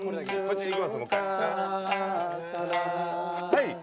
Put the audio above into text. はい。